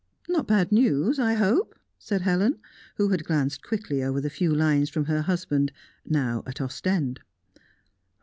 "No bad news, I hope?" said Helen, who had glanced quickly over the few lines from her husband, now at Ostend.